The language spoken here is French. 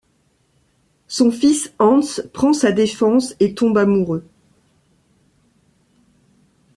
Son fils Hans prend sa défense et tombe amoureux.